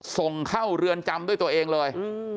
ส่งเข้าเรือนจำด้วยตัวเองเลย